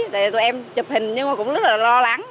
để tụi em chụp hình nhưng mà cũng rất là lo lắng